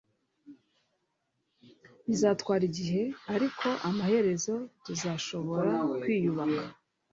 Bizatwara igihe ariko amaherezo tuzashobora kwiyubaka